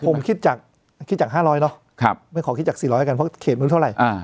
ผมคิดจาก๕๐๐เนอะไม่ขอคิดจาก๔๐๐กันเพราะเขตไม่รู้เท่าไหร่